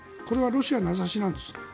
これはロシア名指しなんです。